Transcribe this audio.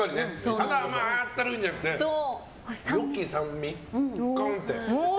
ただ甘ったるいんじゃなくて良き酸味。